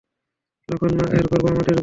লখনৌ এর গর্ব আমাদের গুঞ্জু।